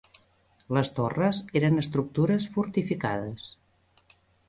Les torres eren estructures fortificades.